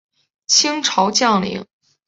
清朝将领。